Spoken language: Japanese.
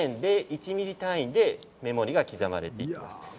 ０．０１ｍｍ単位で目盛りが刻まれています。